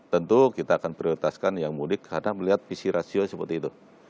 tentu kita akan prioritaskan yang mudik karena melihat visi rasio seperti itu